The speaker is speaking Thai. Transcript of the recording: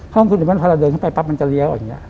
ห้องคุณอิมันพอเดินเข้าไปปั๊บมันจะเลี้ยวอย่างนี้